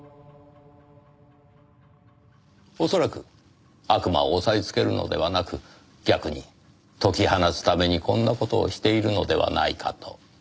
恐らく悪魔を抑えつけるのではなく逆に解き放つためにこんな事をしているのではないかと。